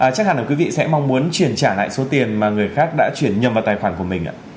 chắc hẳn là quý vị sẽ mong muốn chuyển trả lại số tiền mà người khác đã chuyển nhầm vào tài khoản của mình